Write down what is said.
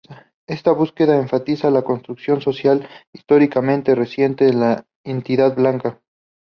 Esta búsqueda enfatiza la construcción social históricamente reciente de la identidad blanca.